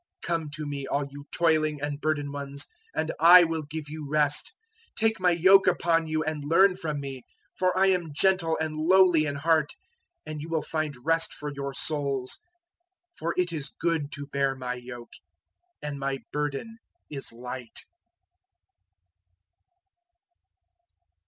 011:028 "Come to me, all you toiling and burdened ones, and *I* will give you rest. 011:029 Take my yoke upon you and learn from me; for I am gentle and lowly in heart, and you will find rest for your souls. 011:030 For it is good to bear my yoke, and my burden is light."